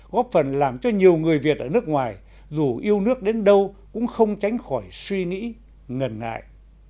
góp phần làm cho nhiều người việt ở nước ngoài dù yêu nước đến đâu cũng không tránh khỏi suy nghĩ ngần ngại